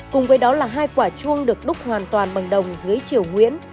cùng với đó là hai quả chuông được đúc hoàn toàn bằng đồng dưới chiều nguyễn